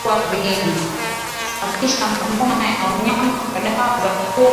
Safisha maboma ya wanyama kwa dawa za kuua viini